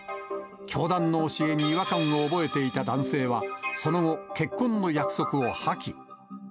教団の教えに違和感を覚えていた男性は、その後、結婚の約束を破棄。